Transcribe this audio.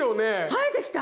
生えてきた。